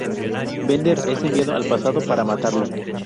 Bender es enviado al pasado para matarlo.